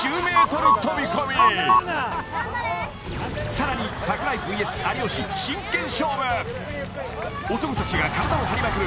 さらに櫻井ＶＳ有吉真剣勝負男たちが体を張りまくる